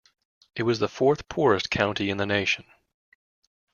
It was the fourth-poorest county in the nation.